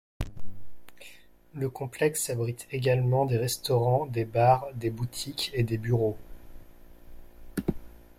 Le complexe abrite également des restaurants, des bars, des boutiques et des bureaux.